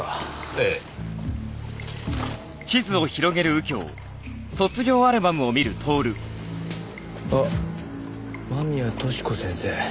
ええ。あっ間宮寿子先生。